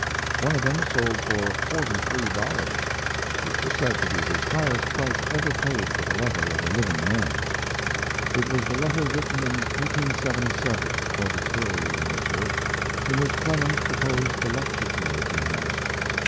One of them sold for forty three dollars, which was said to be the highest price ever paid for the letter of a living man. It was the letter written in 1877, quoted earlier in this work, in which Clemens proposed the lecture tour to Nast.